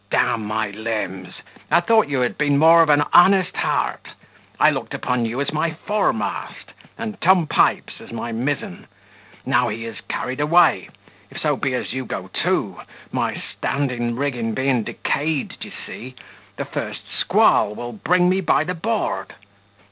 D my limbs! I thought you had been more of an honest heart: I looked upon you as my foremast, and Tom Pipes as my mizen: now he is carried away, if so be as you go too, my standing rigging being decayed, d'ye see, the first squall will bring me by the board.